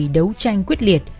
đấu tranh quyết liệt